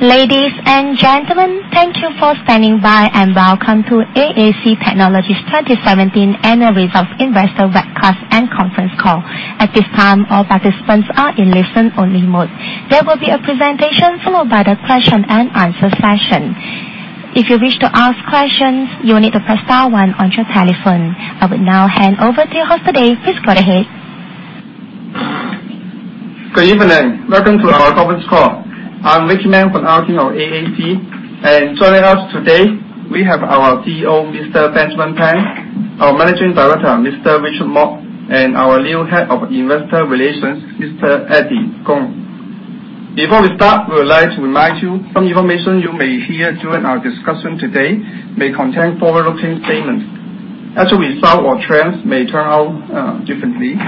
Ladies and gentlemen, thank you for standing by, and welcome to AAC Technologies 2017 Annual Results Investor Cast and Conference Call. At this time, all participants are in listen only mode. There will be a presentation followed by the question and answer session. If you wish to ask questions, you will need to press star one on your telephone. I will now hand over to host today. Please go ahead. Good evening. Welcome to our conference call. I'm Ricky Man from auditing of AAC. Joining us today, we have our CEO, Mr. Benjamin Pan, our Managing Director, Mr. Richard Mok, and our new Head of Investor Relations, Mr. Eddie Kung. Before we start, we would like to remind you some information you may hear during our discussion today may contain forward-looking statements. As a result, our trends may turn out differently.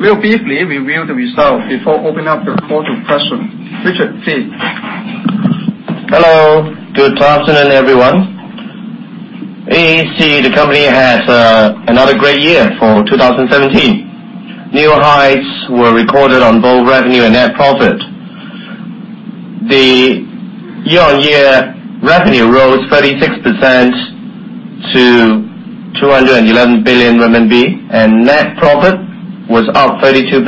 We'll briefly review the results before opening up the floor to questions. Richard, please. Hello. Good afternoon, everyone. AAC, the company, has another great year for 2017. New heights were recorded on both revenue and net profit. The year-on-year revenue rose 36% to 211 billion RMB. Net profit was up 32%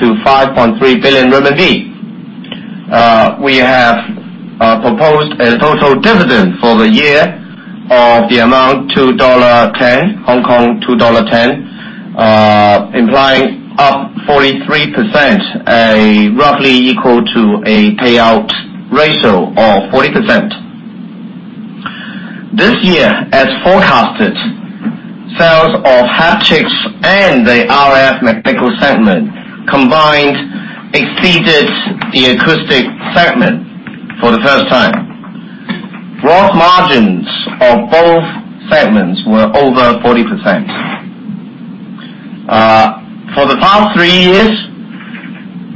to 5.3 billion RMB. We have proposed a total dividend for the year of the amount 2.10, 2.10 Hong Kong dollars, implying up 43%, roughly equal to a payout ratio of 40%. This year, as forecasted, sales of haptics and the RF mechanical segment combined exceeded the acoustic segment for the first time. Gross margins of both segments were over 40%. For the past three years,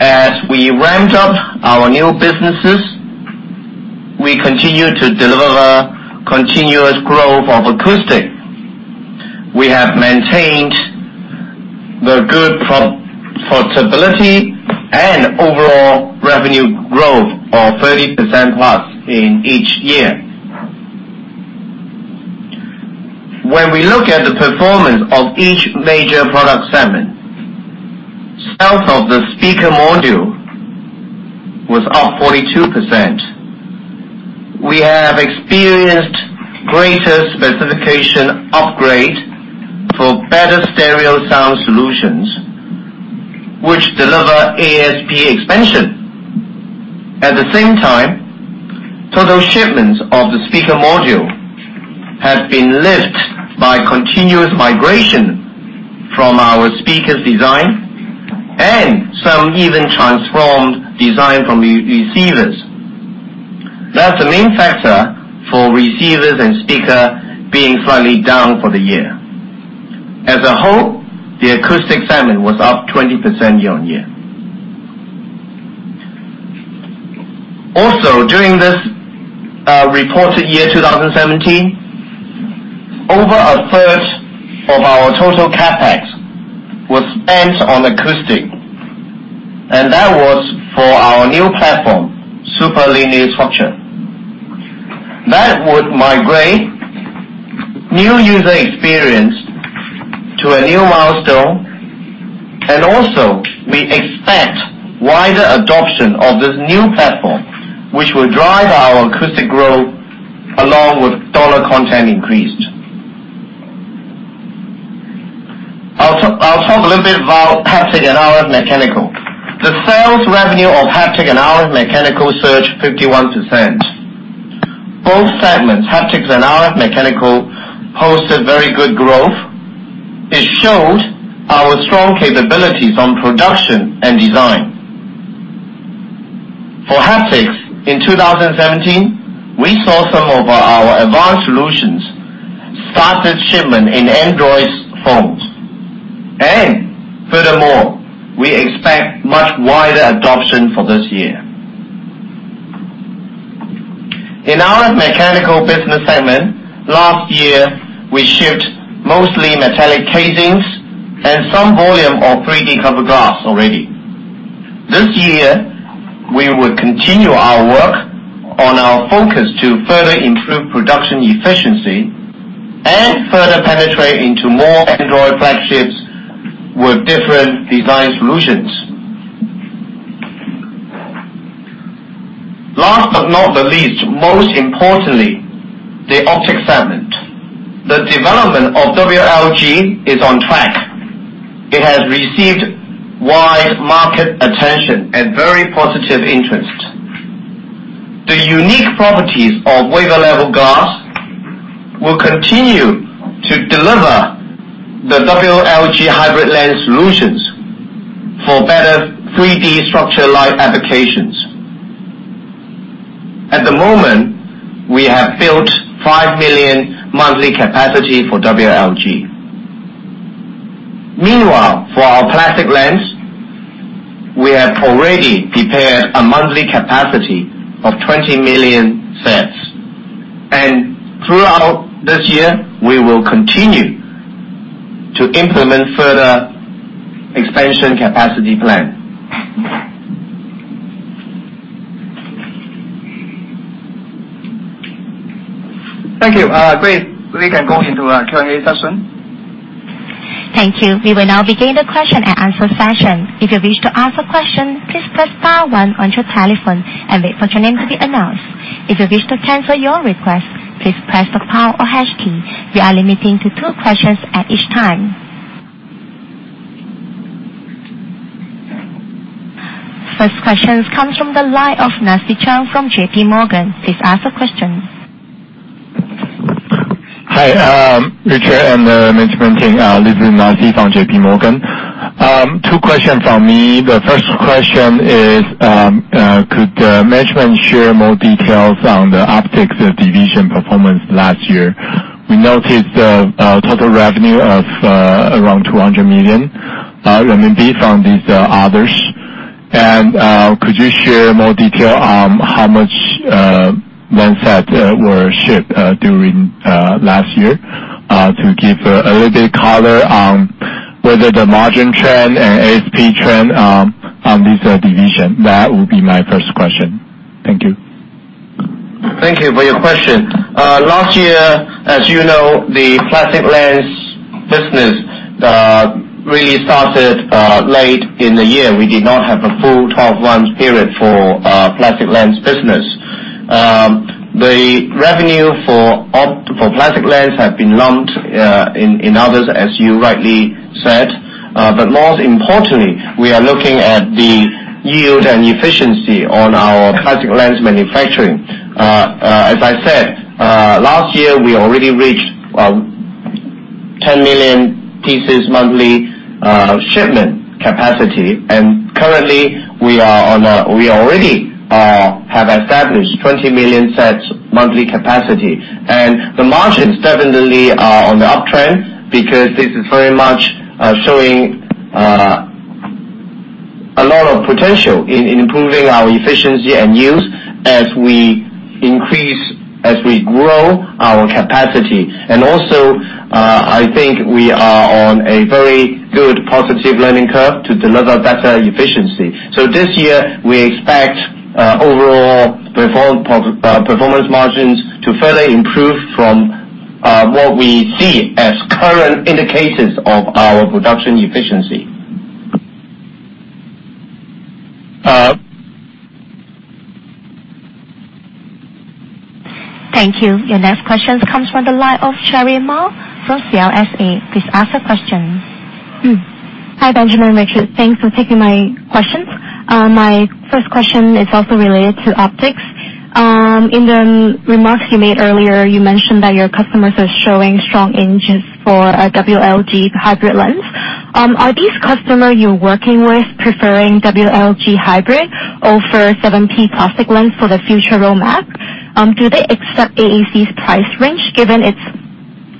as we ramped up our new businesses, we continued to deliver continuous growth of acoustic. We have maintained the good profitability and overall revenue growth of 30% plus in each year. When we look at the performance of each major product segment, sales of the speaker module was up 42%. We have experienced greater specification upgrade for better stereo sound solutions, which deliver ASP expansion. At the same time, total shipments of the speaker module have been lift by continuous migration from our speakers design and some even transformed design from receivers. That's the main factor for receivers and speaker being slightly down for the year. As a whole, the acoustic segment was up 20% year-on-year. Also, during this reported year, 2017, over a third of our total CapEx was spent on acoustic, and that was for our new platform, Super Linear Structure. That would migrate new user experience to a new milestone. Also, we expect wider adoption of this new platform, which will drive our acoustic growth along with dollar content increased. I'll talk a little bit about haptics and RF mechanical. The sales revenue of haptics and RF mechanical surged 51%. Both segments, haptics and RF mechanical, hosted very good growth. It showed our strong capabilities on production and design. For haptics in 2017, we saw some of our advanced solutions started shipment in Android phones. Furthermore, we expect much wider adoption for this year. In our mechanical business segment, last year we shipped mostly metallic casings and some volume of 3D cover glass already. This year we will continue our work on our focus to further improve production efficiency and further penetrate into more Android flagships with different design solutions. Last but not least, most importantly, the optics segment. The development of WLG is on track. It has received wide market attention and very positive interest. The unique properties of Wafer Level Glass will continue to deliver the WLG hybrid lens solutions for better 3D structure light applications. At the moment, we have built 5 million monthly capacity for WLG. Meanwhile, for our plastic lens, we have already prepared a monthly capacity of 20 million sets, and throughout this year we will continue To implement further expansion capacity plan. Thank you. Great. We can go into Q&A session. Thank you. We will now begin the question and answer session. If you wish to ask a question, please press star one on your telephone and wait for your name to be announced. If you wish to cancel your request, please press the pound or hash key. We are limiting to two questions at each time. First question comes from the line of Nasty Chung from JP Morgan. Please ask a question. Hi, Richard and management team. This is Nasty from JP Morgan. Two questions from me. The first question is, could management share more details on the optics division performance last year? We noticed total revenue of around 200 million RMB from these others. Could you share more detail on how much lens set were shipped during last year to give a little bit color on whether the margin trend and ASP trend on this division? That will be my first question. Thank you. Thank you for your question. Last year, as you know, the plastic lens business really started late in the year. We did not have a full 12 months period for plastic lens business. The revenue for plastic lens have been lumped in others, as you rightly said. Most importantly, we are looking at the yield and efficiency on our plastic lens manufacturing. As I said, last year, we already reached 10 million pieces monthly shipment capacity, and currently we already have established 20 million sets monthly capacity. The margins definitely are on the uptrend, because this is very much showing a lot of potential in improving our efficiency and use as we grow our capacity. Also, I think we are on a very good positive learning curve to deliver better efficiency. This year we expect overall performance margins to further improve from what we see as current indicators of our production efficiency. Thank you. Your next question comes from the line of Cherry Ma from CLSA. Please ask a question. Hi, Benjamin. Richard. Thanks for taking my questions. My first question is also related to optics. In the remarks you made earlier, you mentioned that your customers are showing strong interest for WLG hybrid lens. Are these customers you are working with preferring WLG hybrid over 7P plastic lens for the future roadmap? Do they accept AAC's price range given it is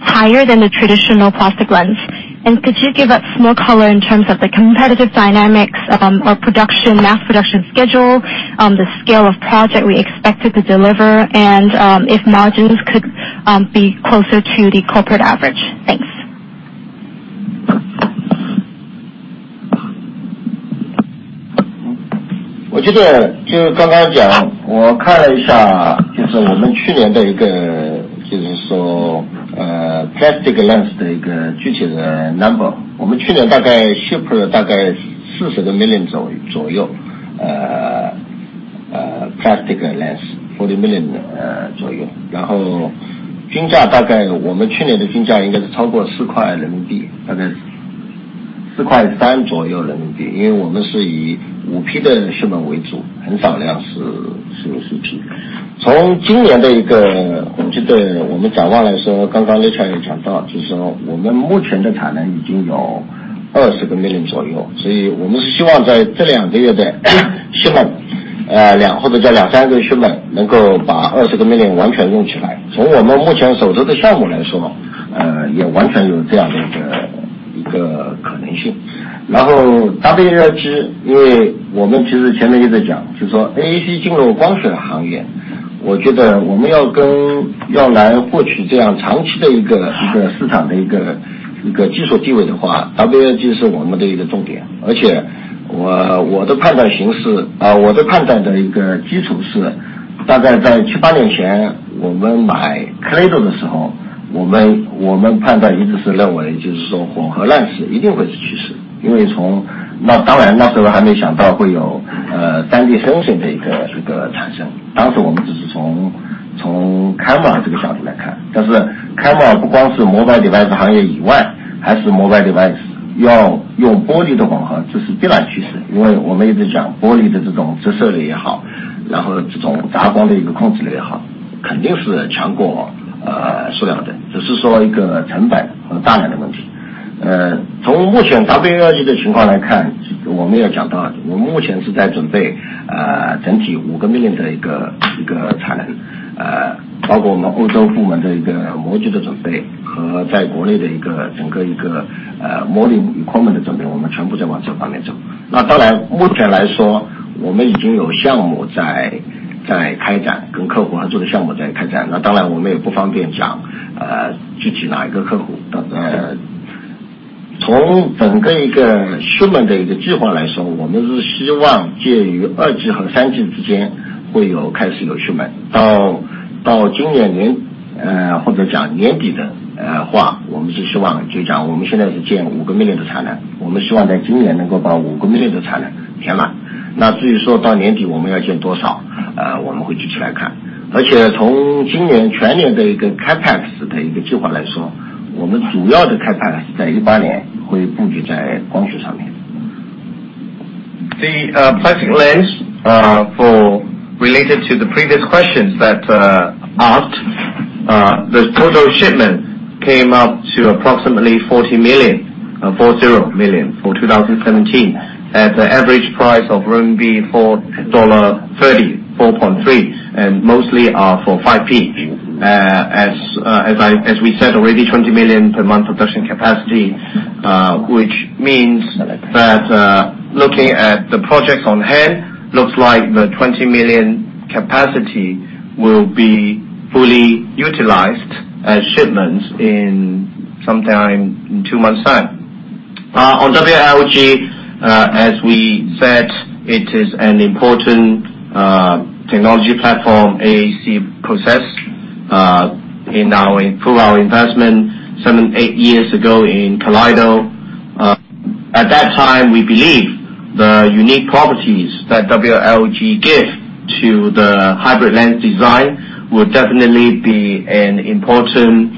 higher than the traditional plastic lens? Could you give us more color in terms of the competitive dynamics or mass production schedule, the scale of project we expected to deliver, and if margins could be closer to the corporate average? Thanks. 我觉得就刚刚讲，我看了一下我们去年的一个plastic lens的具体的number。我们去年大概shipped 40个million左右plastic lens。然后我们去年的均价应该是超过4块人民币，大概4块3左右人民币，因为我们是以5P的shipment为主，很少量是4P。从今年的一个我们展望来说，刚刚也讲到，我们目前的产能已经有20个million左右，所以我们是希望在这两个月的shipment，或者这两三个月shipment能够把20个million完全用起来。从我们目前手头的项目来说，也完全有这样的一个可能性。然后WLG，因为我们其实前面也在讲，AAC进入光学行业，我觉得我们要来获取这样长期的一个市场的一个技术地位的话，WLG是我们的一个重点。而且我的判断的一个基础是，大概在七八年前，我们买Kaleido的时候，我们判断一直是认为就是说混合滥用一定会是趋势，当然那时候还没想到会有3D传感的一个产生。当时我们只是从camera这个项目来看，但是camera不光是mobile device行业以外，还是mobile The plastic lens, related to the previous questions that asked, the total shipment came up to approximately 40 million for 2017, at the average price of RMB 4.30, 4.3, and mostly are for 5P. As we said already, 20 million per month production capacity, which means that looking at the projects on hand, looks like the 20 million capacity will be fully utilized as shipments in some time in two months' time. On WLG, as we said, it is an important technology platform, AAC process, through our investment seven, eight years ago in Kaleido. At that time, we believe the unique properties that WLG give to the hybrid lens design will definitely be an important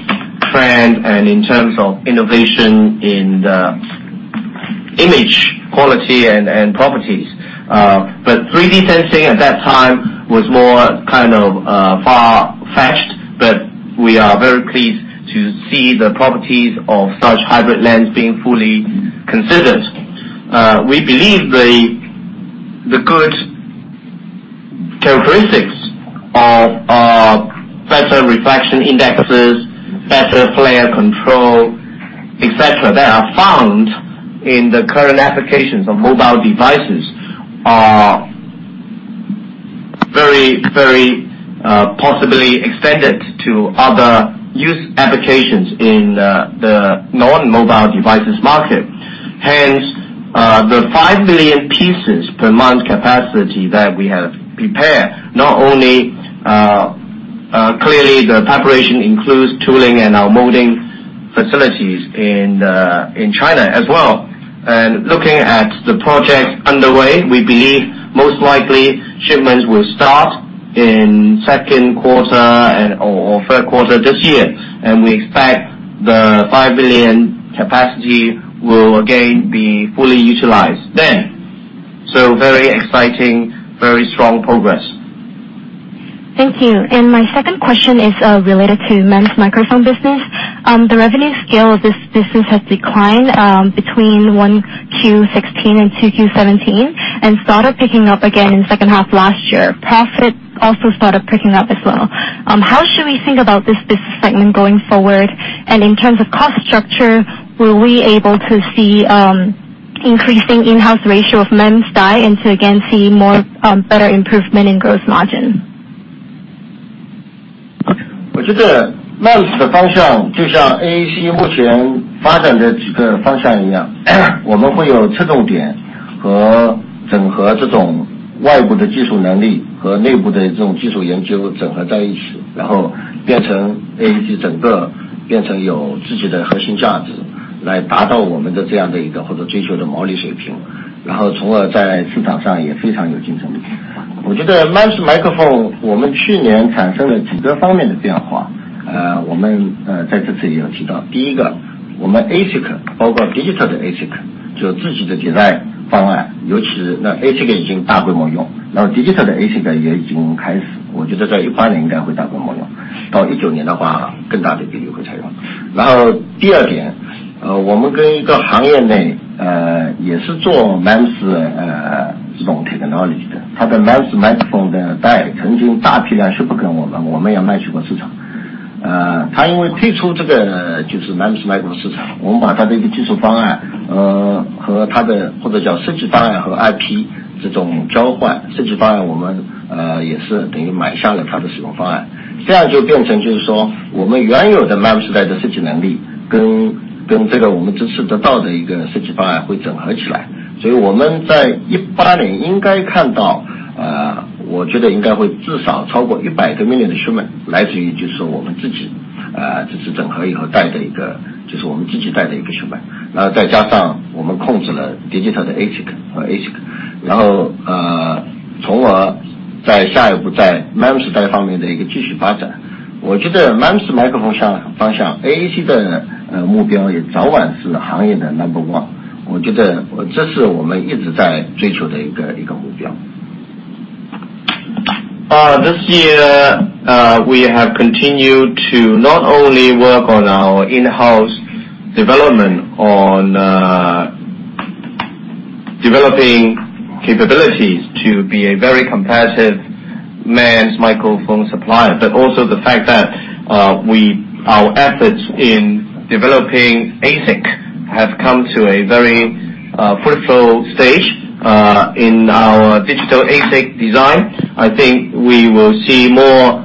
trend and in terms of innovation in the image quality and properties. 3D sensing at that time was more kind of far-fetched, but we are very pleased to see the properties of such hybrid lens being fully considered. We believe the good characteristics of better reflection indexes, better flare control, etc., that are found in the current applications of mobile devices are very possibly extended to other use applications in the non-mobile devices market. Hence, the 5 million pieces per month capacity that we have prepared, clearly the preparation includes tooling and our molding facilities in China as well. Looking at the project underway, we believe most likely shipments will start in second quarter or third quarter this year, and we expect the 5 million capacity will again be fully utilized then. Very exciting, very strong progress. Thank you. My second question is related to MEMS microphone business. The revenue scale of this business has declined between 1Q 2016 and 2Q 2017, and started picking up again in second half last year. Profit also started picking up as well. How should we think about this business segment going forward? In terms of cost structure, were we able to see increasing in-house ratio of MEMS die and to again see better improvement in growth margin? Microphone的方向，AAC的目标也早晚是行业的number one。我觉得这是我们一直在追求的一个目标。This year, we have continued to not only work on our in-house development on developing capabilities to be a very competitive MEMS microphone supplier, but also the fact that our efforts in developing ASIC have come to a very fruitful stage in our digital ASIC design. I think we will see more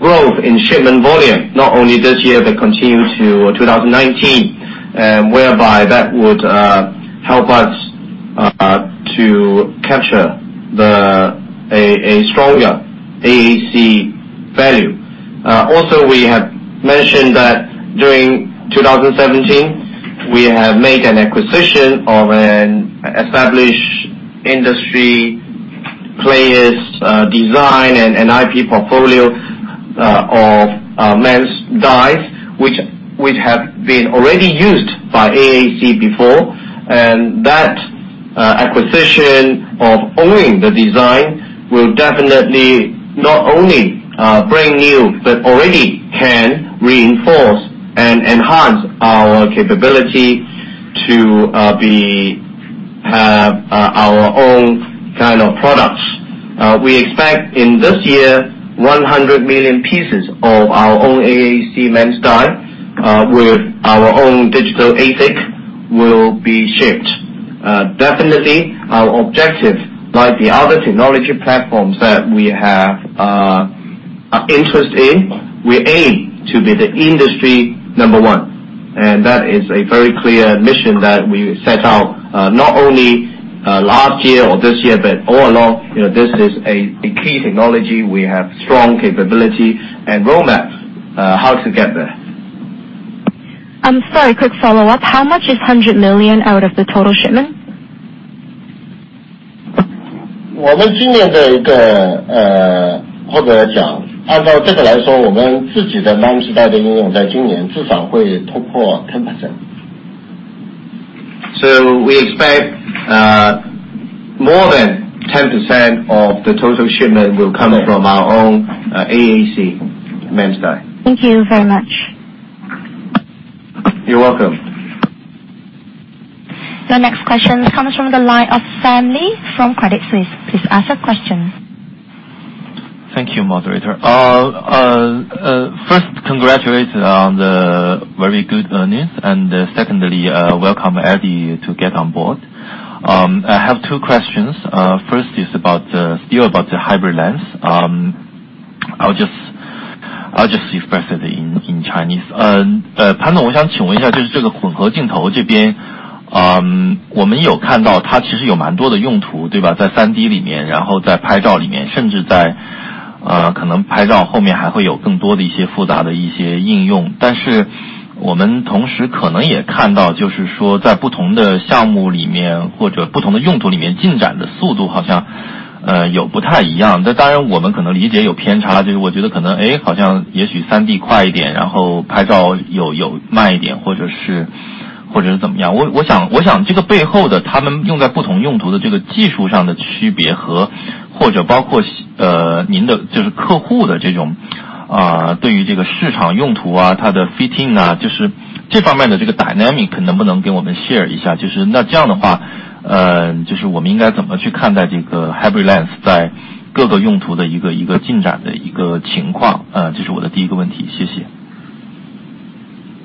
growth in shipment volume, not only this year, but continue to 2019, whereby that would help us to capture a stronger AAC value. Also, we have mentioned that during 2017, we have made an acquisition of an established industry players design and IP portfolio of MEMS die, which have been already used by AAC before. That acquisition of owing the design will definitely not only bring new, but already can reinforce and enhance our capability to have our own kind of products. We expect in this year, 100 million pieces of our own AAC MEMS die with our own digital ASIC will be shipped. Definitely, our objective like the other technology platforms that we have interest in, we aim to be the industry number 1. That is a very clear mission that we set out, not only last year or this year, but all along. This is a key technology, we have strong capability and roadmap how to get there. I'm sorry, quick follow-up. How much is 100 million out of the total shipment? 我们今年的，按照这个来说，我们自己的MEMS die的应用在今年至少会突破10%。We expect more than 10% of the total shipment will come from our own AAC MEMS die. Thank you very much. You're welcome. Your next question comes from the line of Sam Lee from Credit Suisse. Please ask your question. Thank you moderator. First congratulate on the very good earnings, and secondly, welcome Eddie to get on board. I have two questions. First is still about the hybrid lens. I'll just express it in Chinese. lens在各个用途的一个进展的情况？这是我的第一个问题。谢谢。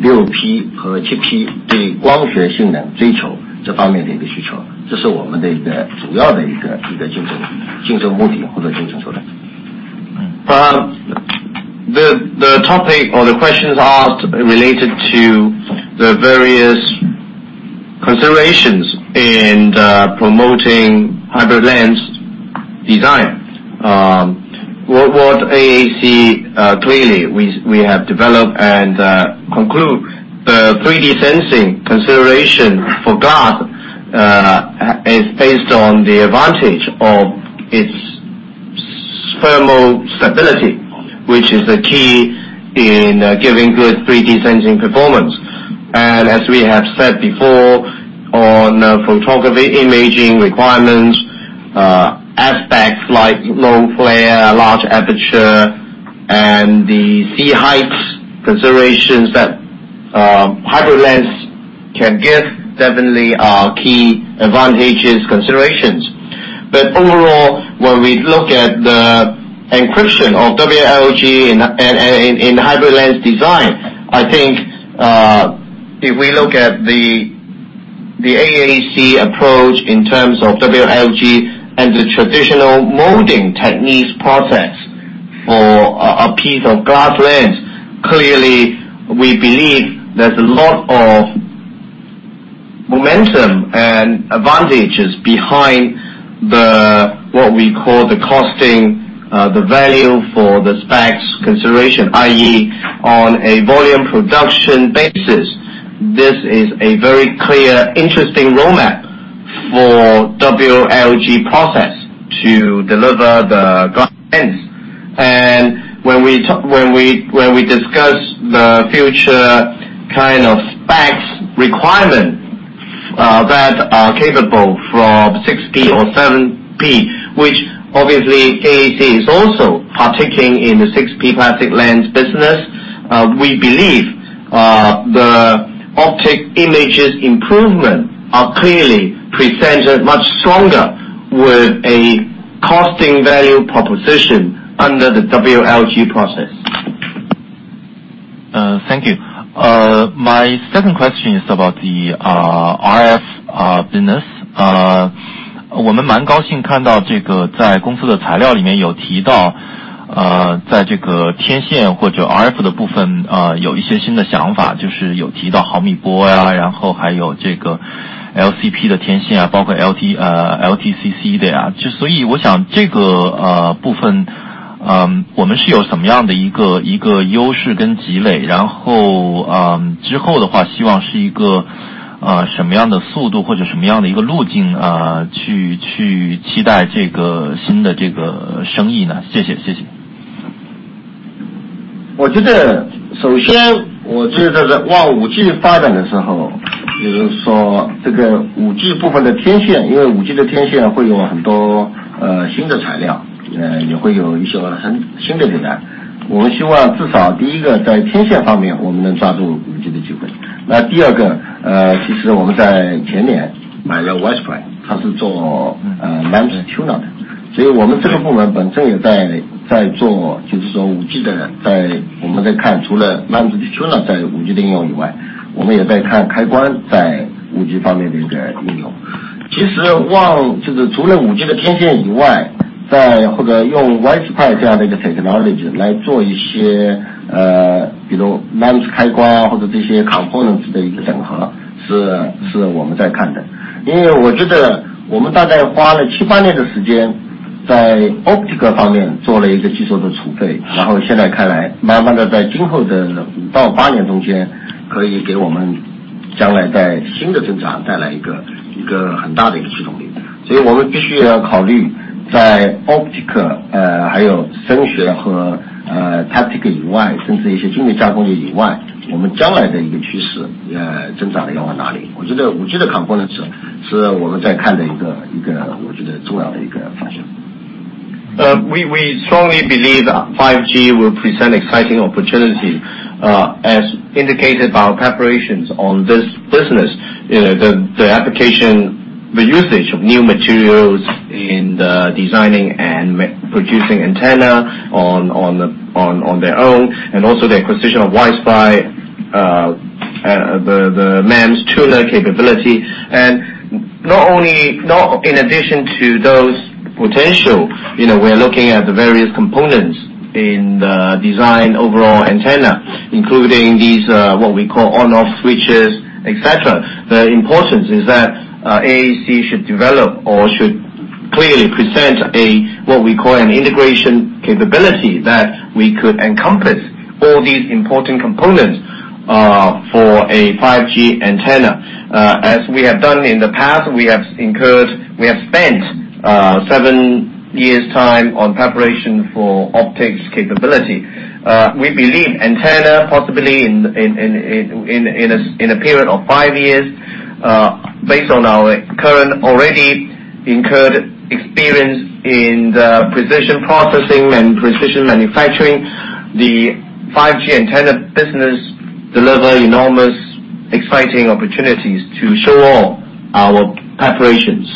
The topic or the questions asked related to the various considerations in promoting hybrid lens design. What AAC, clearly, we have developed and conclude the 3D sensing consideration for glass is based on the advantage of its thermal stability, which is the key in giving good 3D sensing performance. As we have said before on photography imaging requirements, aspects like low flare, large aperture and the Z-height considerations that hybrid lens can give, definitely are key advantages considerations. Overall, when we look at the encryption of WLG in hybrid lens design, I think if we look at the AAC approach in terms of WLG and the traditional molding techniques process for a piece of glass lens. Clearly, we believe there's a lot of momentum and advantages behind what we call the costing, the value for the specs consideration, i.e., on a volume production basis. This is a very clear, interesting roadmap for WLG process to deliver the glass lens. When we discuss the future kind of specs requirements that are capable from 6P or 7P, which obviously AAC is also partaking in the 6P plastic lens business. We believe the optic images improvement are clearly presented much stronger with a costing value proposition under the WLG process. Thank you. My second question is about the RF business. tuner的，所以我们这个部门本身也在做5G的。我们在看除了MEMS We strongly believe that 5G will present exciting opportunity. As indicated by our preparations on this business, the application, the usage of new materials in the designing and producing antenna on their own, also the acquisition of WiSpry, the MEMS tuner capability. In addition to those potential, we are looking at the various components in the design overall antenna, including these what we call on-off switches, etc. The importance is that AAC should develop or should clearly present a what we call an integration capability that we could encompass all these important components for a 5G antenna. As we have done in the past, we have spent seven years time on preparation for optics capability. We believe antenna, possibly in a period of five years, based on our current already incurred experience in the precision processing and precision manufacturing, the 5G antenna business deliver enormous exciting opportunities to show all our preparations.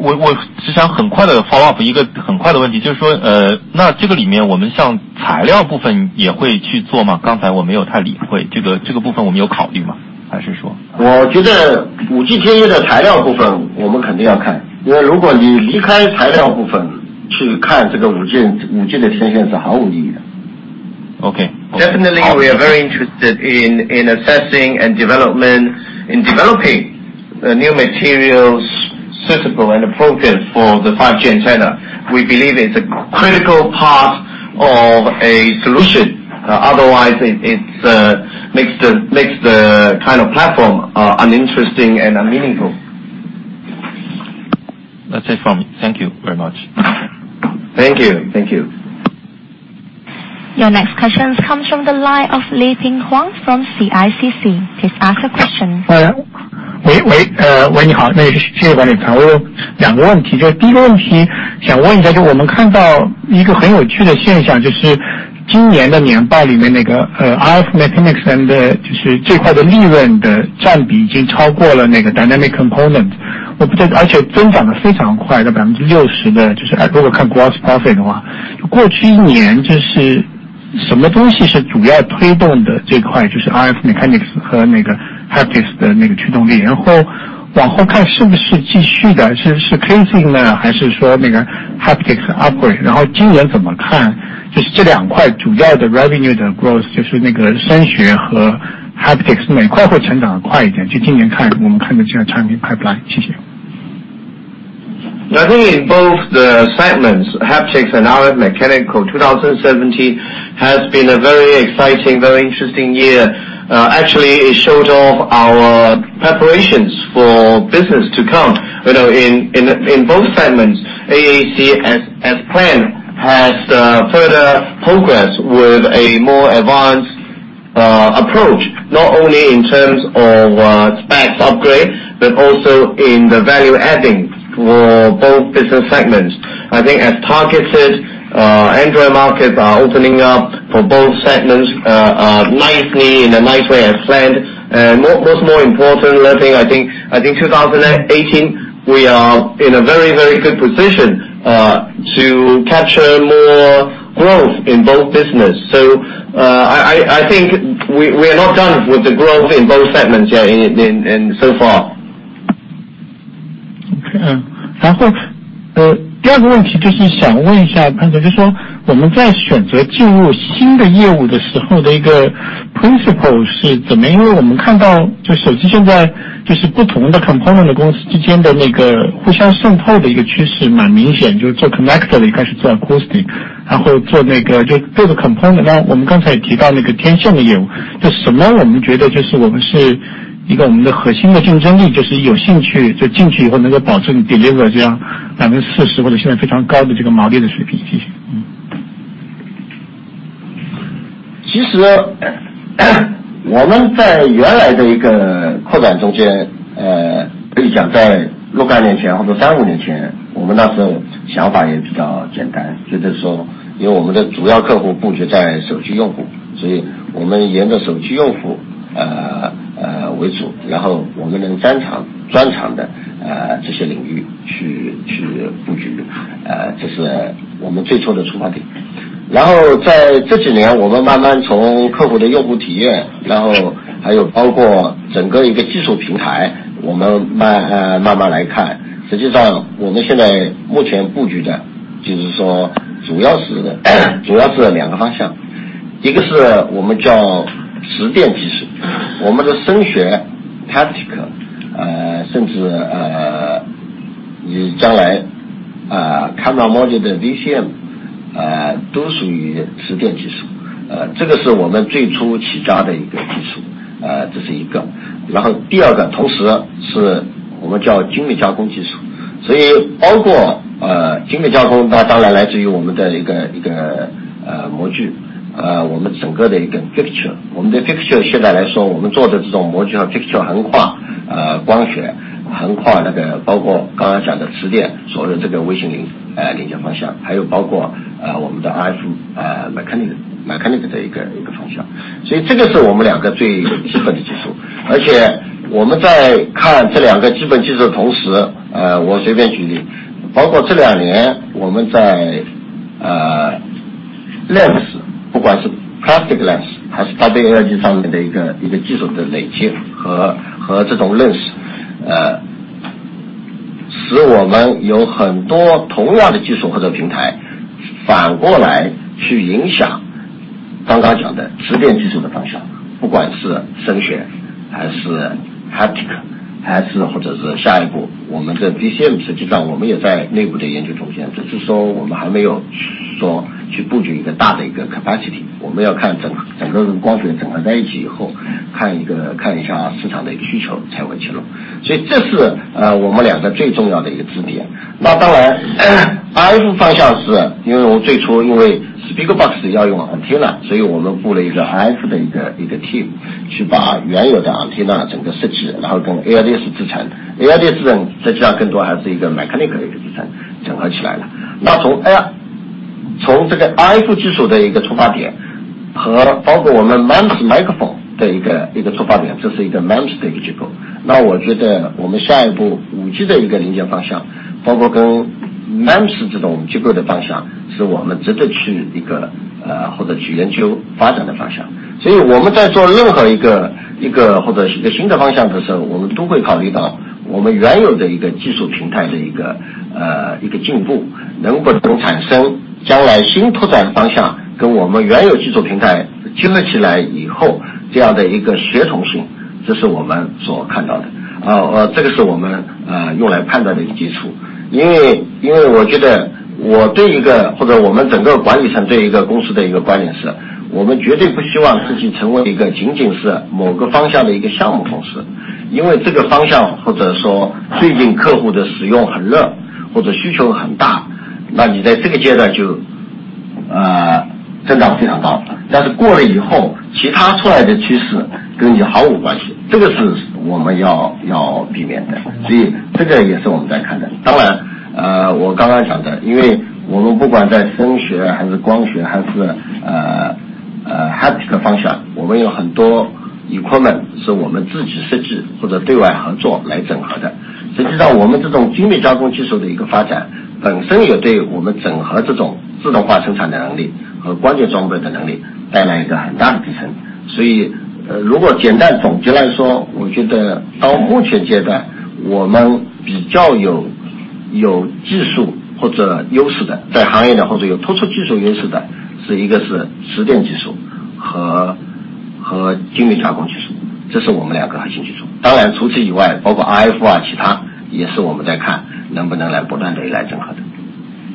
我只想很快地follow up一个很快的问题，就是说这个里面我们像材料部分也会去做吗？刚才我没有太理会，这个部分我们有考虑吗？ 我觉得5G天线的材料部分我们肯定要看，因为如果你离开材料部分去看5G的天线是毫无意义的。OK。Definitely we are very interested in assessing and developing new materials suitable and appropriate for the 5G antenna. We believe it's a critical part of a solution. Otherwise, it makes the kind of platform uninteresting and unmeaningful. That's it from me. Thank you very much. Thank you. Thank you. Your next question comes from the line of Leping Huang from CICC. Please ask your question. 你好，谢谢管理层。我有两个问题，第一个问题想问一下，我们看到一个很有趣的现象，就是今年的年报里面，RF Mechanics这一块的利润的占比已经超过了Dynamic Component，而且增长得非常快，如果看gross profit的话，是60%。过去一年，什么东西是主要推动的这块RF Mechanics和Haptics的驱动力？然后往后看，是不是继续的，是casing呢，还是说Haptics operate？然后今年怎么看这两块主要的revenue的growth，就是声学和Haptics，哪一块会成长得快一点？就今年看，我们看的这个timeline。谢谢。I think in both the segments, Haptics and RF Mechanics, 2017 has been a very exciting, very interesting year. Actually, it showed off our preparations for business to come. In both segments, AAC as planned, has further progress with a more advanced approach, not only in terms of specs upgrade, but also in the value adding for both business segments. I think as targeted, Android markets are opening up for both segments in a nice way as planned. What's more important, I think 2018 we are in a very, very good position to capture more growth in both business. I think we are not done with the growth in both segments so far.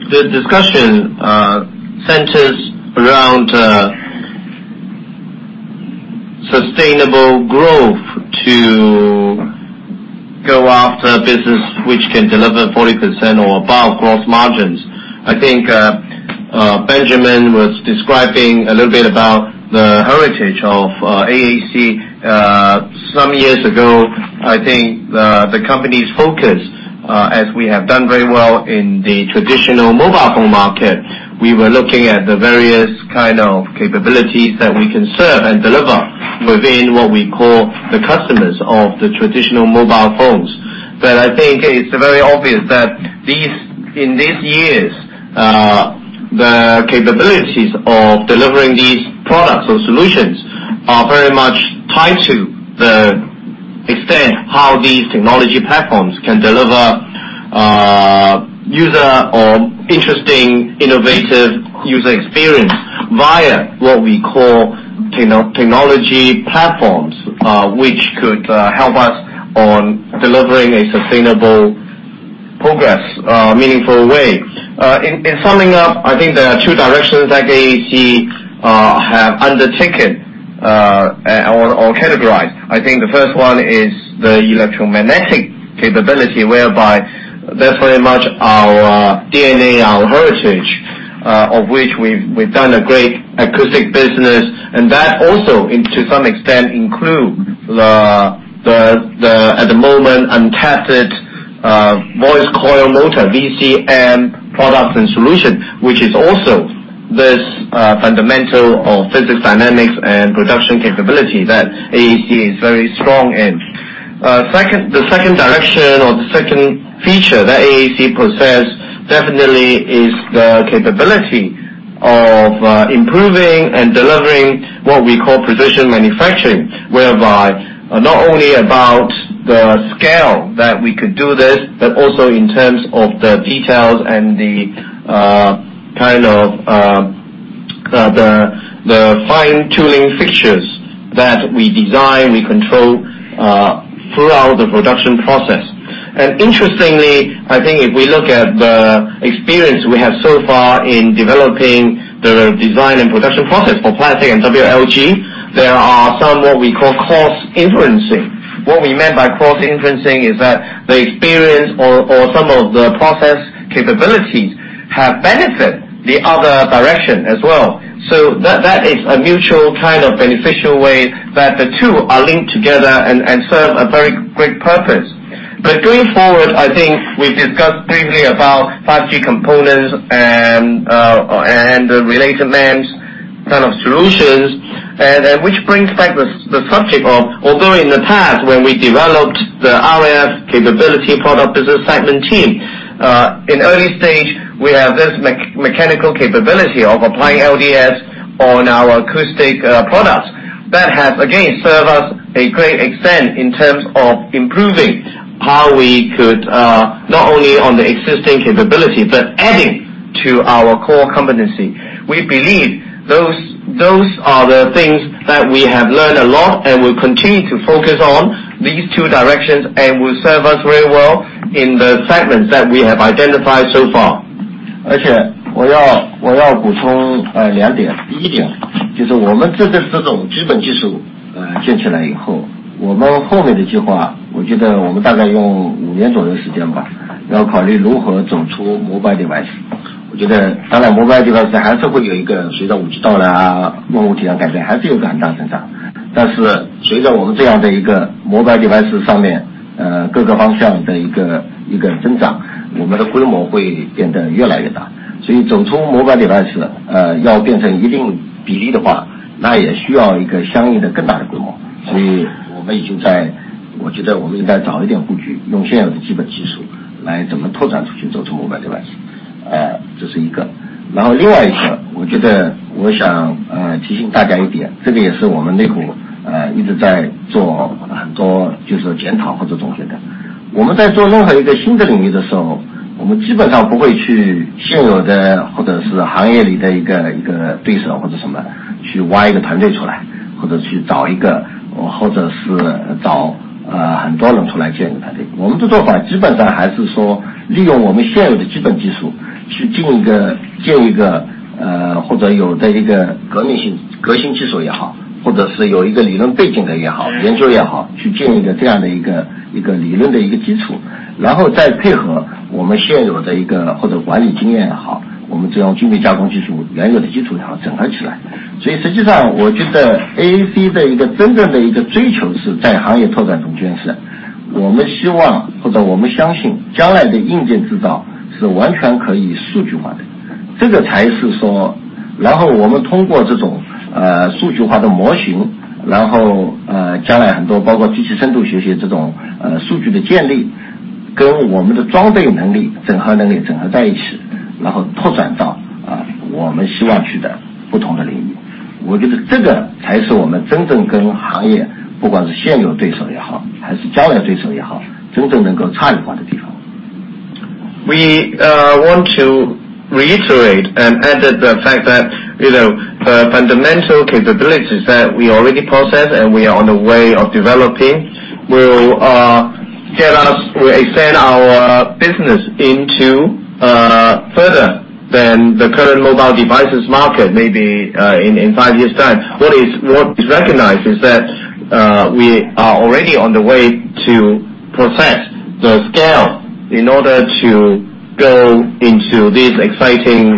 The discussion centers around sustainable growth to go after business which can deliver 40% or above gross margins. I think Benjamin was describing a little bit about the heritage of AAC some years ago. I think the company's focus, as we have done very well in the traditional mobile phone market, we were looking at the various kind of capabilities that we can serve and deliver within what we call the customers of the traditional mobile phones. I think it's very obvious that in these years, the capabilities of delivering these products or solutions are very much tied to the extent how these technology platforms can deliver user or interesting innovative user experience via what we call technology platforms, which could help us on delivering a sustainable progress meaningful way. In summing up, I think there are two directions that AAC have undertaken or categorized. I think the first one is the electromagnetic capability, whereby that's very much our DNA, our heritage, of which we've done a great acoustic business, and that also to some extent include the at the moment untapped voice coil, motor, VCM products and solutions, which is also this fundamental of physics, dynamics and production capability that AAC is very strong in. The second direction or the second feature that AAC possess definitely is the capability of improving and delivering what we call precision manufacturing, whereby not only about the scale that we could do this, but also in terms of the details and the fine-tuning fixtures that we design, we control throughout the production process. Interestingly, I think if we look at the experience we have so far in developing the design and production process for plastic and WLG, there are some what we call cross inferencing. What we meant by cross inferencing is that the experience or some of the process capabilities have benefit the other direction as well. That is a mutual kind of beneficial way that the two are linked together and serve a very great purpose. Going forward, I think we discussed briefly about 5G components and the related MEMS kind of solutions, which brings back the subject of although in the past when we developed the RF capability product business segment team, in early stage, we have this mechanical capability of applying LDS on our acoustic products. That has again, served us a great extent in terms of improving how we could not only on the existing capability but adding to our core competency. We believe those are the things that we have learned a lot, we continue to focus on these two directions and will serve us very well in the segments that we have identified so far. 而且我要补充两点，第一点，就是我们这次这种基本技术建起来以后，我们后面的计划，我觉得我们大概用五年左右的时间，要考虑如何走出mobile device。我觉得当然mobile device还是会随着5G到来，物物相连带来很大的增长。但是随着我们mobile device上面各个方向的增长，我们的规模会变得越来越大。所以走出mobile device，要变成一定比例的话，那也需要一个相应的更大的规模。所以我觉得我们应该早一点布局，用现有的基本技术来怎么拓展出去，走出mobile device。这是一个。然后另外一个，我想提醒大家一点，这个也是我们内部一直在做很多检讨或者总结的。我们在做任何一个新的领域的时候，我们基本上不会去现有行业里的一个对手，去挖一个团队出来，或者是找很多人出来建一个团队。我们的做法基本上还是利用我们现有的基本技术，去建一个或者有的革命性、革新技术也好，或者是有一个理论背景的也好，研究也好，去建一个这样的理论基础，然后再配合我们现有的一些管理经验也好，我们这种精密加工技术，原有的基础也好，整合起来。所以实际上，我觉得AAC真正的一个追求是在行业拓展中，我们希望或者我们相信将来的硬件制造是完全可以数据化的。然后我们通过这种数据化的模型，将来很多包括机器学习深度学习这种数据的建立，跟我们的装备能力、整合能力整合在一起，然后拓展到我们希望去的不同的领域。我觉得这个才是我们真正跟行业，不管是现有对手也好，还是将来对手也好，真正能够差异化的地方。We want to reiterate and add that the fact that, the fundamental capabilities that we already possess and we are on the way of developing, will help us expand our business further than the current mobile devices market, maybe in five years time. What is recognized is that we are already on the way to process the scale in order to go into these exciting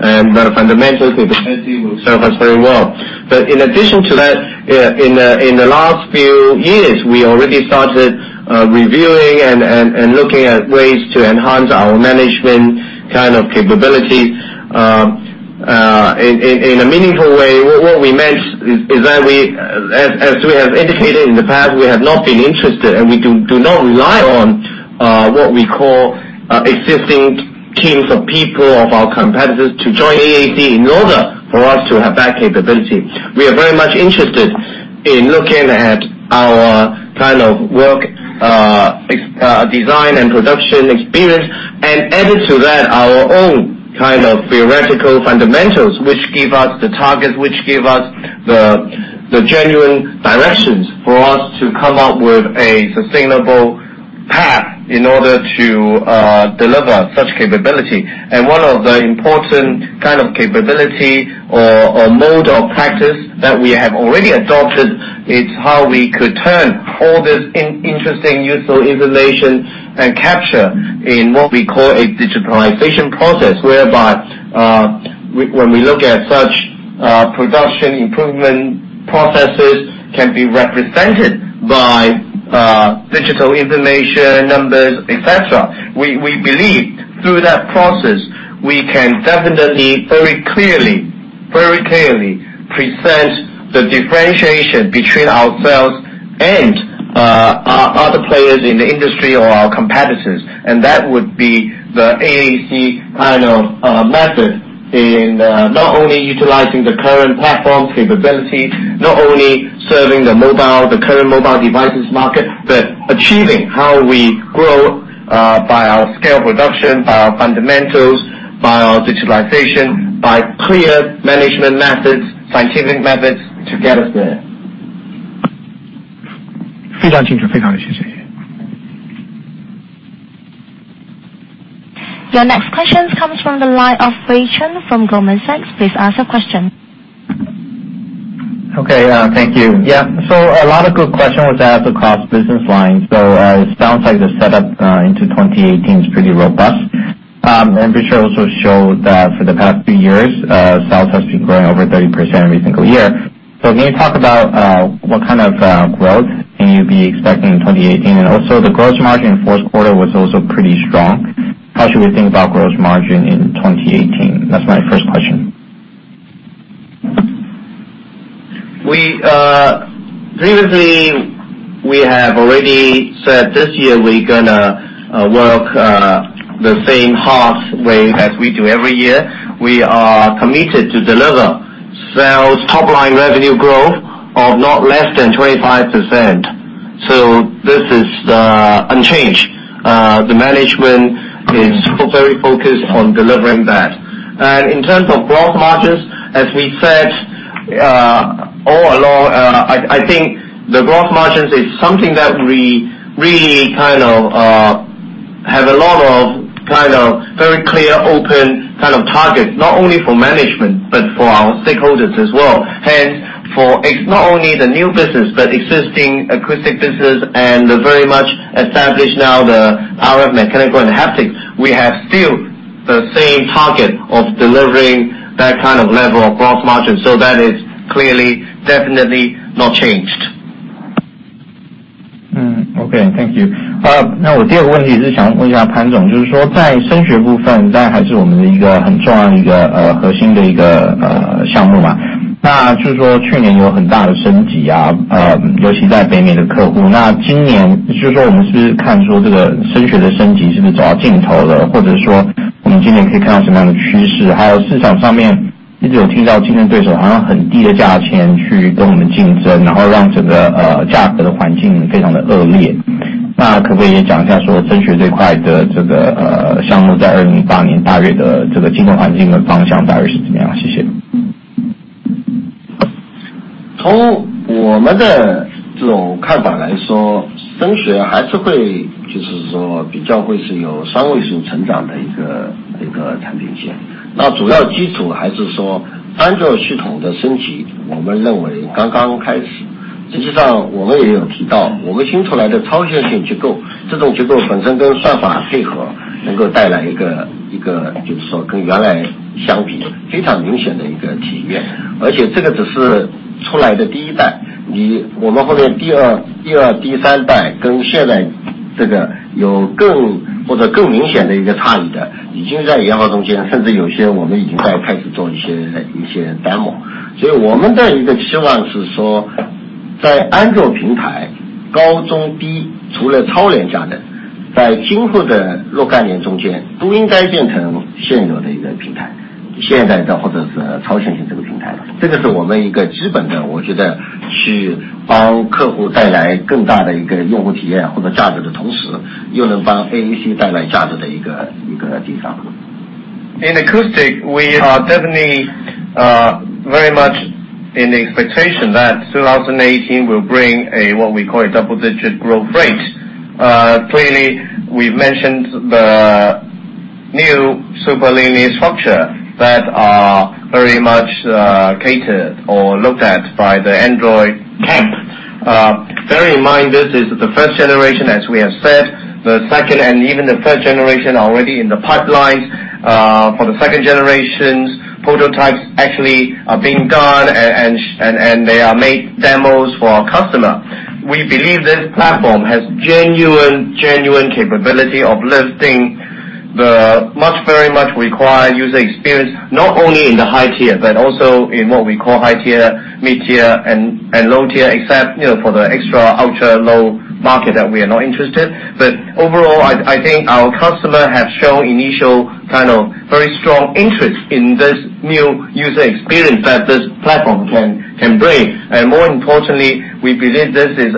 markets. The fundamental capability will serve us very well. In addition to that, in the last few years, we already started reviewing and looking at ways to enhance our management kind of capability in a meaningful way. What we meant is that, as we have indicated in the past, we have not been interested and we do not rely on what we call existing teams of people of our competitors to join AAC in order for us to have that capability. We are very much interested in looking at our kind of work design and production experience and added to that our own kind of theoretical fundamentals, which give us the targets, which give us the genuine directions for us to come up with a sustainable path in order to deliver such capability. One of the important kind of capability or mode of practice that we have already adopted, is how we could turn all this interesting, useful information and capture in what we call a digitalization process, whereby when we look at such production improvement processes, can be represented by digital information, numbers, etc. We believe through that process, we can definitely very clearly present the differentiation between ourselves and other players in the industry or our competitors. That would be the AAC kind of method in not only utilizing the current platform capabilities, not only serving the current mobile devices market, but achieving how we grow by our scale production, by our fundamentals, by our digitalization, by clear management methods, scientific methods to get us there. 非常清楚，非常的谢谢。Your next question comes from the line of Wei Chen from Goldman Sachs. Please ask your question. Okay, thank you. Yeah. A lot of good question was asked across business lines. It sounds like the setup into 2018 is pretty robust. Richard also showed that for the past few years, sales has been growing over 30% every single year. Can you talk about what kind of growth can you be expecting in 2018? Also the gross margin in fourth quarter was also pretty strong. How should we think about gross margin in 2018? That's my first question. Previously, we have already said this year we're gonna work the same hard way as we do every year. We are committed to deliver sales top line revenue growth of not less than 25%. This is unchanged. The management is very focused on delivering that. In terms of gross margins, as we said all along, I think the gross margins is something that we really kind of have a lot of kind of very clear open kind of targets, not only for management, but for our stakeholders as well. Hence, for not only the new business, but existing acoustic business, and very much established now the RF mechanical and haptic, we have still the same target of delivering that kind of level of gross margin. That is clearly definitely not changed. In acoustic, we are definitely very much in the expectation that 2018 will bring what we call a double-digit growth rate. Clearly, we've mentioned the new super linear structure that are very much catered or looked at by the Android camp. Bear in mind, this is the first generation, as we have said, the second and even the third generation are already in the pipeline. For the second generation, prototypes actually are being done, and they are made demos for our customer. We believe this platform has genuine capability of lifting the very much required user experience, not only in the high tier, but also in what we call high tier, mid tier, and low tier, except for the ultra-low market that we are not interested. Overall, I think our customer has shown initial kind of very strong interest in this new user experience that this platform can bring. More importantly, we believe this is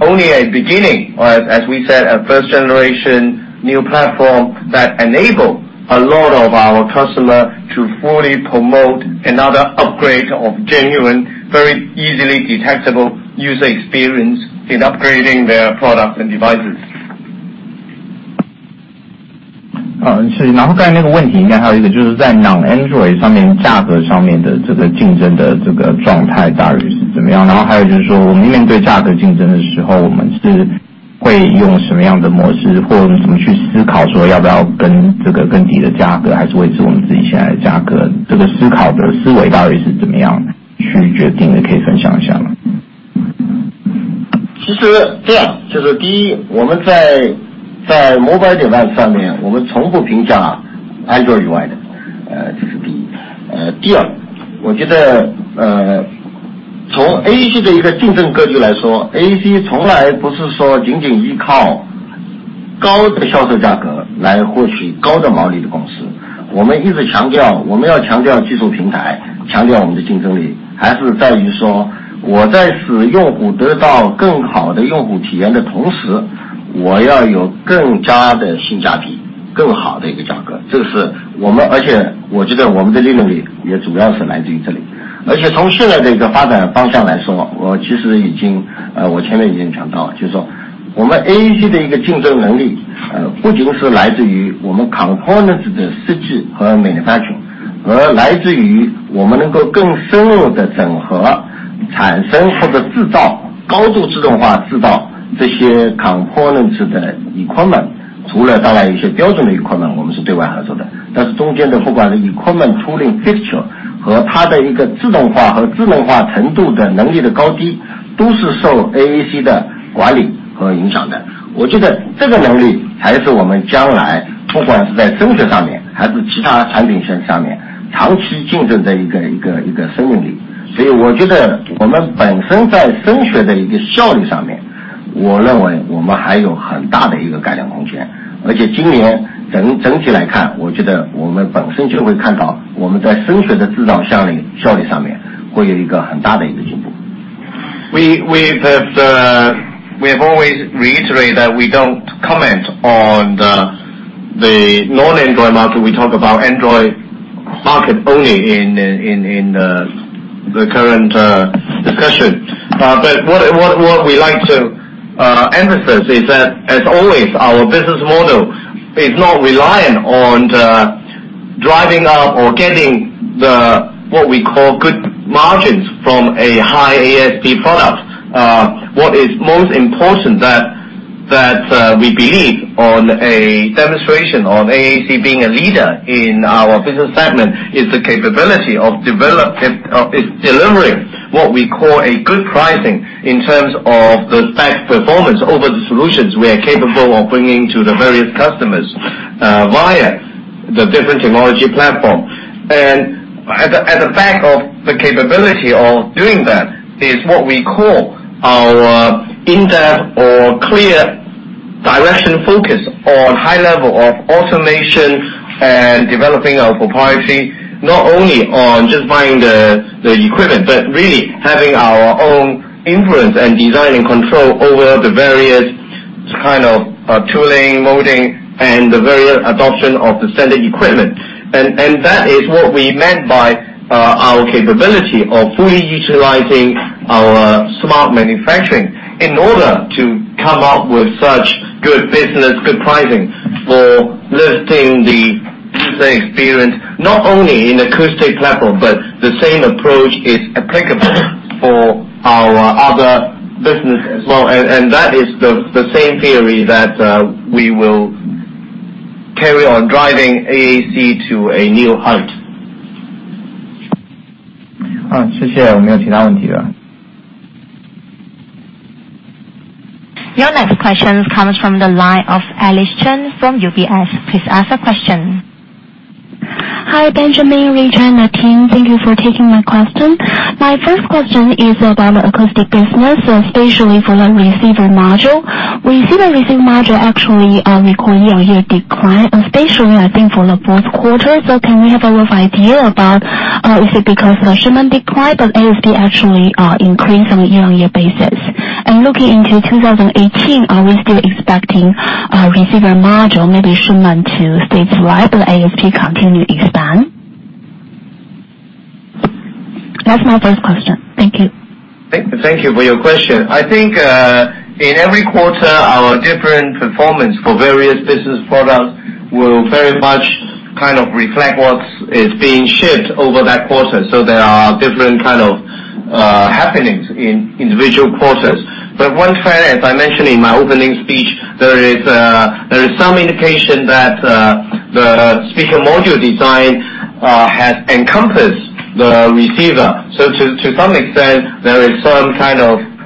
only a beginning, or as we said, a first-generation new platform that enables a lot of our customers to fully promote another upgrade of genuine, very easily detectable user experience in upgrading their products and devices. 然后刚才那个问题应该还有一个，就是在Non-Android上面，价格上面的竞争的状态大约是怎么样？然后还有就是说，我们面对价格竞争的时候，我们是会用什么样的模式，或者我们怎么去思考说要不要跟这个更低的价格，还是维持我们自己现在的价格？思考的思维到底是怎么样去决定的，可以分享一下吗？ 其实这样，第一，我们在mobile device上面，我们从不评价Android以外的，这是第一。第二，我觉得从AAC的一个竞争格局来说，AAC从来不是仅仅依靠高的销售价格来获取高的毛利的公司。我们一直强调，我们要强调技术平台，强调我们的竞争力，还是在于说，我在使用户得到更好的用户体验的同时，我要有更佳的性价比，更好的一个价格。而且我觉得我们的利润率也主要是来自于这里。而且从现在这个发展的方向来说，我前面已经讲到了，就是说我们AAC的一个竞争能力，不仅是来自于我们components的设计和manufacturing，而来自于我们能够更深入地整合产生或者高度自动化制造这些components的equipment。当然，除了有些标准的equipment我们是对外合作的，但是中间的不管的equipment tooling We have always reiterated that we don't comment on the non-Android market. We talk about Android market only in the current discussion. What we like to emphasize is that as always, our business model is not reliant on driving up or getting what we call good margins from a high ASP product. What is most important that we believe on a demonstration of AAC being a leader in our business segment is the capability of delivering what we call a good pricing in terms of the best performance over the solutions we are capable of bringing to the various customers via the different technology platform. At the back of the capability of doing that is what we call our in-depth or clear direction focus on high level of automation and developing our proprietary, not only on just buying the equipment, but really having our own influence and design and control over the various kind of tooling, molding, and the various adoption of the standard equipment. That is what we meant by our capability of fully utilizing our smart manufacturing in order to come up with such good business, good pricing for lifting the user experience, not only in acoustic platform, but the same approach is applicable for our other business as well. That is the same theory that we will carry on driving AAC to a new height. Your next question comes from the line of Alice Chen from UBS. Please ask your question. Hi, Benjamin, Richard, and the team. Thank you for taking my question. My first question is about the acoustic business, especially for the receiver module. Receiver module actually record year-on-year decline, especially for the fourth quarter. Can we have a rough idea about, is it because the shipment decline but ASP actually increased on a year-on-year basis? Looking into 2018, are we still expecting a receiver module, maybe shipment to stay flat but ASP continue to expand? That's my first question. Thank you. Thank you for your question. In every quarter, our different performance for various business products will very much reflect what is being shipped over that quarter. There are different happenings in individual quarters. One fact, as I mentioned in my opening speech, there is some indication that the speaker module design has encompassed the receiver. To some extent, there is some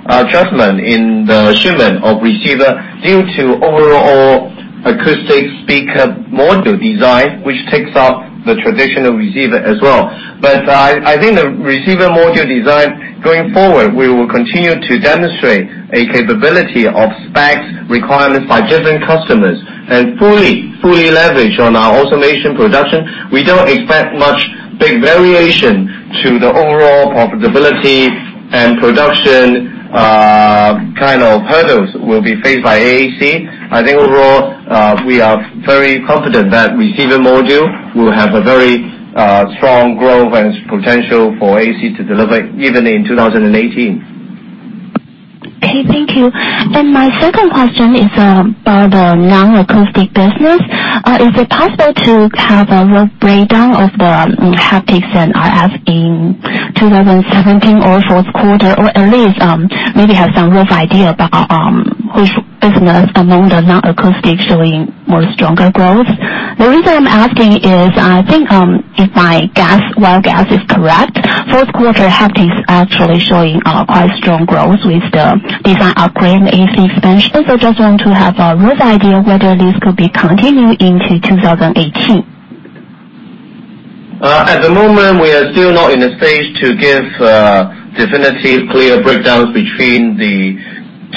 adjustment in the shipment of receiver due to overall acoustic speaker module design, which takes up the traditional receiver as well. The receiver module design going forward, we will continue to demonstrate a capability of specs requirements by different customers and fully leverage on our automation production. We don't expect much big variation to the overall profitability and production hurdles will be faced by AAC. Overall, we are very confident that receiver module will have a very strong growth and potential for AAC to deliver even in 2018. Okay, thank you. My second question is about the non-acoustic business. Is it possible to have a rough breakdown of the haptics and RF in 2017 or fourth quarter, or at least maybe have some rough idea about which business among the non-acoustic showing stronger growth? The reason I'm asking is, I think, if my guess is correct, fourth quarter haptics actually showed quite strong growth with the design upgrade and ASP expansion. Just want to have a rough idea whether this could be continued into 2018. At the moment, we are still not in a stage to give definitive clear breakdowns between the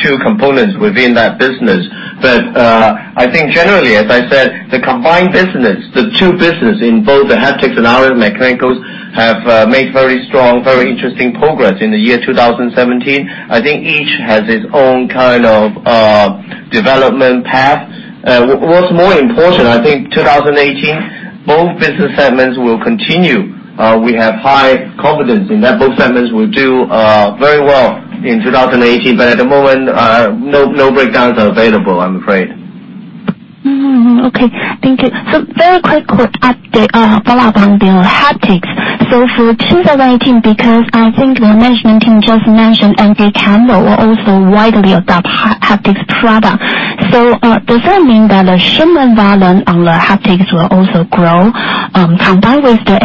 two components within that business. I think generally, as I said, the combined business, the two business in both the haptics and RF Mechanics, have made very strong, very interesting progress in the year 2017. I think each has its own kind of development path. What's more important, I think 2018, both business segments will continue. We have high confidence in that both segments will do very well in 2018. At the moment, no breakdowns are available, I'm afraid. Okay. Thank you. Very quick follow-up on the haptics. For 2018, because I think the management team just mentioned Android will also widely adopt haptics product. Does that mean that the shipment volume on the haptics will also grow, combined with the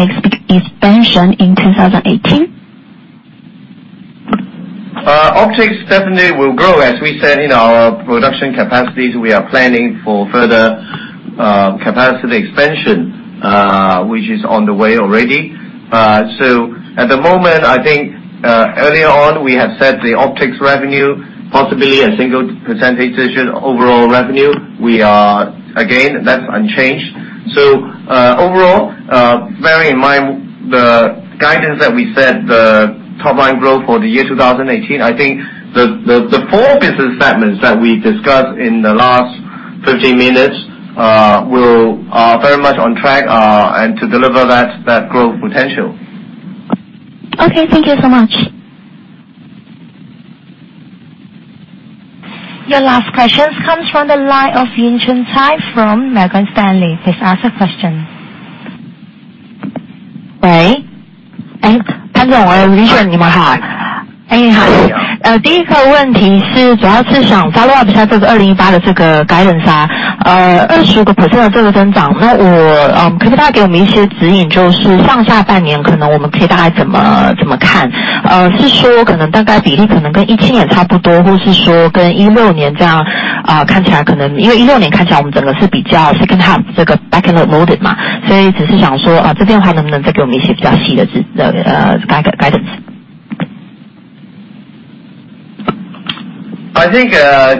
expansion in 2018? Optics definitely will grow as we said in our production capacities, we are planning for further capacity expansion, which is on the way already. At the moment, I think, earlier on, we have said the optics revenue, possibly a single percentage of overall revenue. Again, that's unchanged. Overall, bearing in mind the guidance that we set the top line growth for the year 2018, I think the four business segments that we discussed in the last 15 minutes are very much on track and to deliver that growth potential. Okay. Thank you so much. Your last question comes from the line of Yunxin Cai from Morgan Stanley. Please ask your question. I think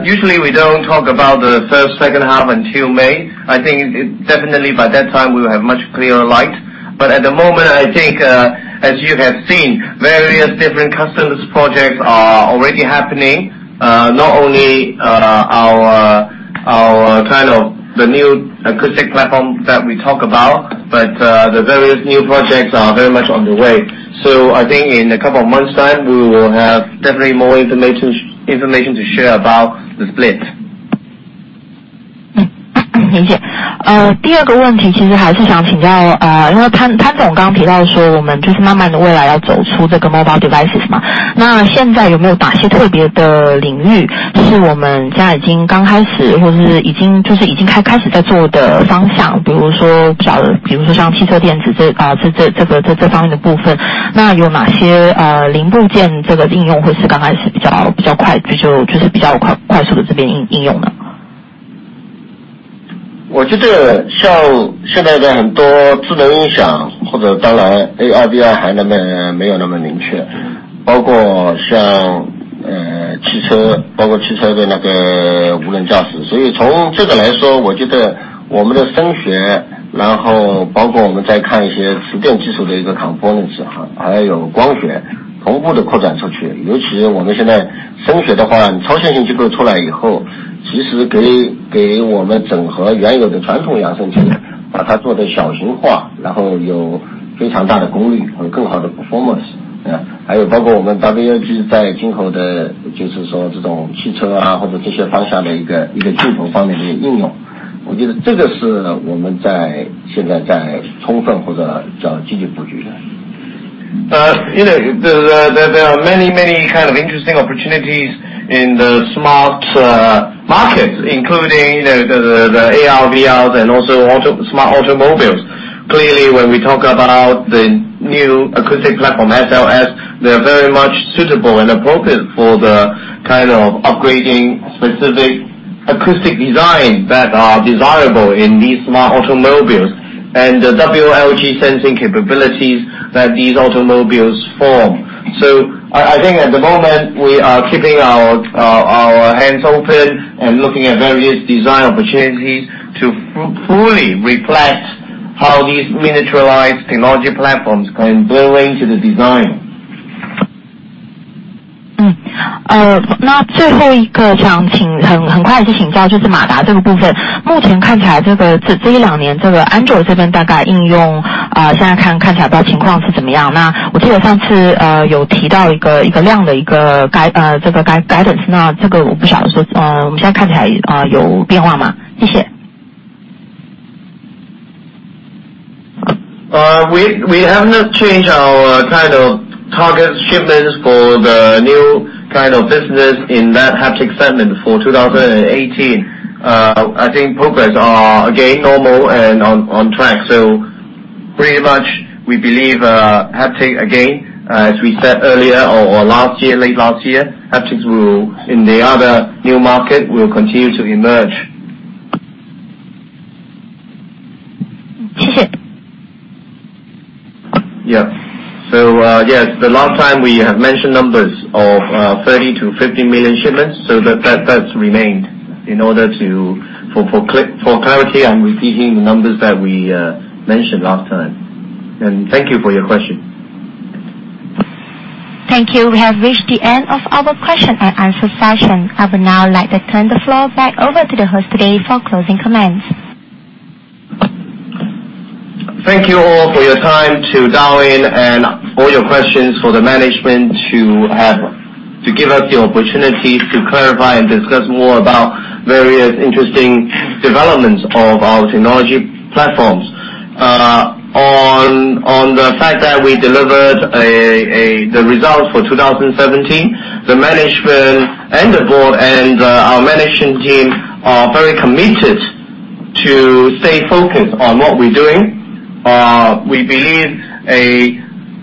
usually we don't talk about the first, second half until May. I think definitely by that time we will have much clearer light. At the moment, I think, as you have seen, various different customers projects are already happening. Not only the new acoustic platform that we talk about, but the various new projects are very much on the way. I think in a couple of months time, we will have definitely more information to share about the split. 谢谢。第二个问题，因为潘总刚刚提到说我们慢慢地未来要走出这个mobile devices。那现在有没有哪些特别的领域是我们现在已经刚开始或是已经开始在做的方向？比如说像汽车电子这方面的部分，有哪些零部件的应用或是刚开始比较快速的运用？ There are many kind of interesting opportunities in the smart market, including the AR, VR, and also smart automobiles. Clearly, when we talk about the new acoustic platform, SLS, they are very much suitable and appropriate for the kind of upgrading specific acoustic design that are desirable in these smart automobiles, and the WLG sensing capabilities that these automobiles form. I think at the moment, we are keeping our hands open and looking at various design opportunities to fully reflect how these miniaturized technology platforms can blend into the design. 那最后一个，想很快地请教马达这个部分，目前看起来这一两年，Android这边大概应用，现在看起来不知道情况是怎么样？我记得上次有提到一个量的guidance，我不晓得现在看起来有变化吗？谢谢。We have not changed our kind of target shipments for the new kind of business in that haptic segment for 2018. I think progress are, again, normal and on track. Pretty much we believe haptics again, as we said earlier or late last year, haptics in the other new market will continue to emerge. 谢谢。Yeah. Yes, the last time we have mentioned numbers of 30 million-50 million shipments, that's remained. For clarity, I'm repeating the numbers that we mentioned last time, and thank you for your question. Thank you. We have reached the end of our question and answer session. I would now like to turn the floor back over to the host today for closing comments. Thank you all for your time to dial in and all your questions for the management to give us the opportunity to clarify and discuss more about various interesting developments of our technology platforms. On the fact that we delivered the results for 2017, the management and the board and our management team are very committed to stay focused on what we're doing. We believe a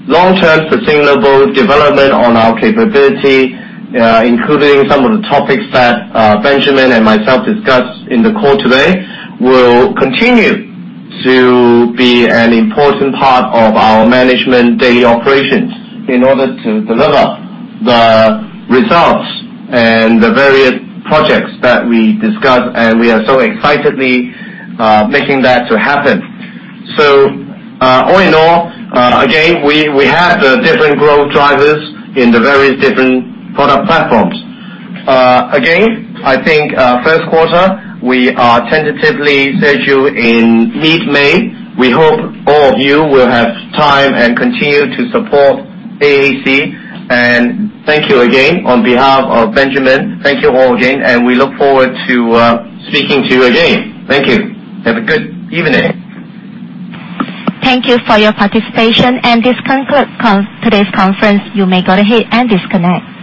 long-term sustainable development on our capability, including some of the topics that Benjamin and myself discussed in the call today, will continue to be an important part of our management daily operations in order to deliver the results and the various projects that we discussed, and we are so excitedly making that to happen. All in all, again, we have the different growth drivers in the various different product platforms. Again, I think first quarter we are tentatively scheduled in mid-May. We hope all of you will have time and continue to support AAC, and thank you again on behalf of Benjamin. Thank you all again, and we look forward to speaking to you again. Thank you. Have a good evening. Thank you for your participation, and this concludes today's conference. You may go ahead and disconnect.